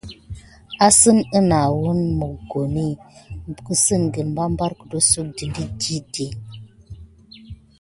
Kisin magra def siga mokoni vana wukisie barbar kedonsok detine di sika.